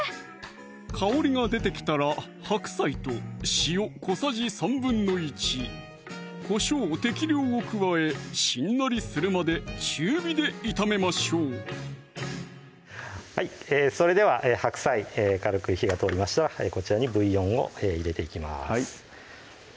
香りが出てきたら白菜と塩小さじ１／３・こしょう適量を加えしんなりするまで中火で炒めましょうそれでは白菜軽く火が通りましたらこちらにブイヨンを入れていきます